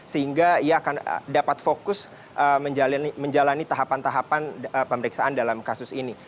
sehingga ia akan dapat fokus menjalani tahapan tahapan pemeriksaan dalam kasus ini